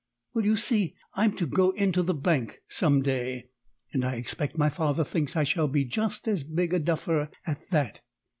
"Well, you see, I'm to go into the Bank some day: and I expect my father thinks I shall be just as big a duffer at that.